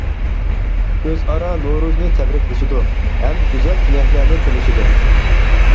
ئۆزئارا نورۇزنى تەبرىكلىشىدۇ ھەم گۈزەل تىلەكلەرنى تىلىشىدۇ.